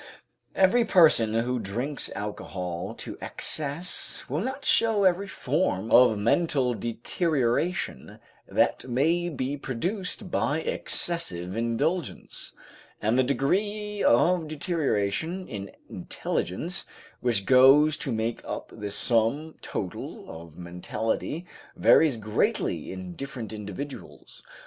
Every person who drinks alcohol to excess will not show every form of mental deterioration that may be produced by excessive indulgence, and the degree of deterioration in intelligence which goes to make up the sum total of mentality varies greatly in different individuals.